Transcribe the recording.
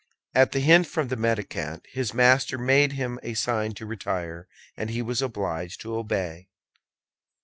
At the hint from the mendicant his master made him a sign to retire, and he was obliged to obey.